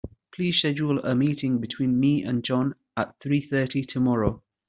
Please schedule a meeting between me and John at three thirty tomorrow.